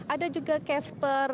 ada juga casper